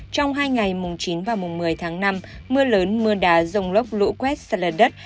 trong hai ngày chín một mươi tháng năm mưa lớn mưa đá rông lốc lũ quét sạt lờ đất